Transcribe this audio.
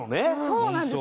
そうなんです。